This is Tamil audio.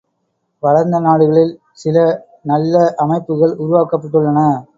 வளர்ந்த நாடுகளில் சில நல்ல அமைப்புகள் உருவாக்கப்பட்டுள்ளன.